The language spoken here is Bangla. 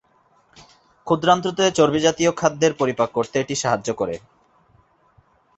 ক্ষুদ্রান্ত্র-তে চর্বি জাতীয় খাদ্যের পরিপাক করতে এটি সাহায্য করে।